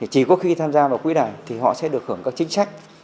chỉ có khi tham gia vào quỹ này thì họ sẽ được hưởng các chính sách